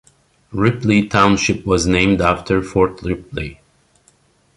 Ripley Township was named after Fort Ripley.